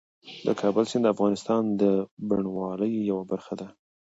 د کابل سیند د افغانستان د بڼوالۍ یوه برخه ده.